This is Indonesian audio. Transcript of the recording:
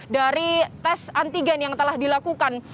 dari tes antigen yang telah dilakukan